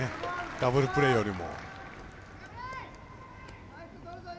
ダブルプレーよりも。